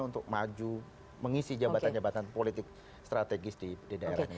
untuk maju mengisi jabatan jabatan politik strategis di daerah ini